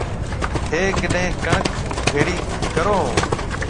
ٿَي ڪڏيَ ڪڻڪ ڀيڙِي ڪرو هون۔